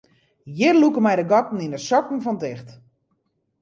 Hjir lûke my de gatten yn de sokken fan ticht.